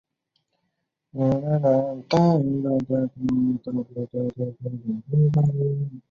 核膜控制小分子物质的进出。